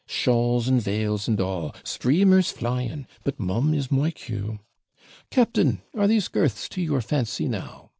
shawls, and veils, and all! streamers flying! But mum is my cue! Captain, are these girths to your fancy now?'